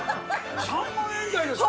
３万円台ですか？